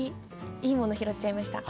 いいもの拾っちゃいました。